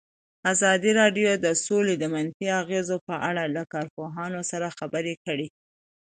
ازادي راډیو د سوله د منفي اغېزو په اړه له کارپوهانو سره خبرې کړي.